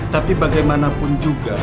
tapi bagaimanapun juga